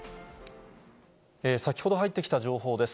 先ほど入ってきた情報です。